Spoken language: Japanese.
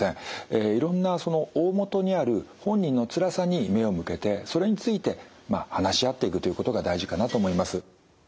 いろんなその大本にある本人のつらさに目を向けてそれについて話し合っていくということが大事かなと思います。